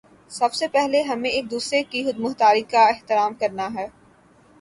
سب سے پہلے ہمیں ایک دوسرے کی خود مختاری کا احترام کرنا ہے۔